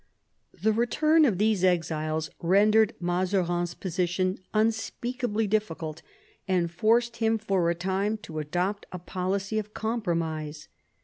The return of these exiles rendered Mazarines position unspeakably difficult, and forced him for a time to adopt a policy of compromise.